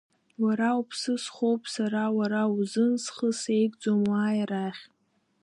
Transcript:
Уара уԥсы схоуп сара, уара узын схы сеигӡом, уааи арахь!